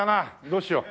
どうしよう。